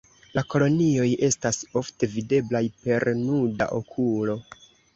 La kolonioj estas ofte videblaj per nuda okulo.